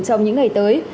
trong những ngày tới